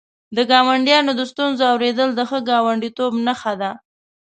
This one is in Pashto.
د ګاونډیانو د ستونزو اورېدل د ښه ګاونډیتوب نښه ده.